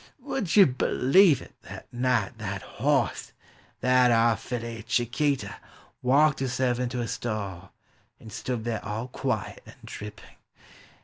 Would ye b'lieve it, that night, that hoss, — that ar' filly, — Chiquita, — Walked herself into her stall, and stood there all quiet and dripping!